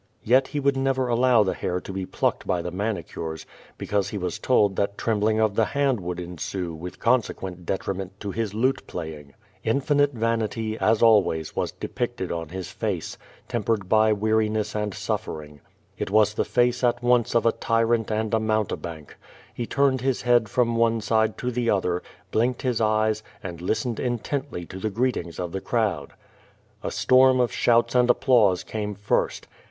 Yet he would never al low the hair to be plucked by the manicures, because he was told that trembling of the hand would ensue with consequent detriment to his lute playing. Infinite vanity, as always^ was 276 Q^^ VADIS, depicted on his face, tempered by weariness and sufTcring. It was the face at once of a tyrant and a mountebank. He turned his head from one side to the other, blinked his eyes, and listened intently to the greetings of the crowd. A storm of shouts and applause came first.